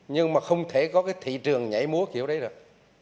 nhưng mà không thể có cái thị trường nhảy múa kiểu đấy được